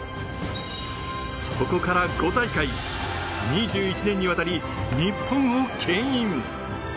そこから５大会２１年にわたり日本をけん引。